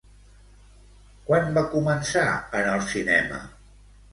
Quan va començar en el cinema?